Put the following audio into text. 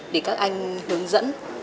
để các anh hướng dẫn